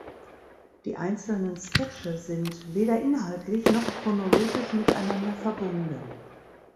Die einzelnen Sketche sind weder inhaltlich noch chronologisch miteinander verbunden.